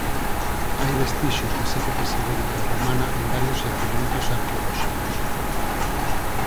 Hai vestixios das épocas ibérica e romana en varios xacementos arqueolóxicos.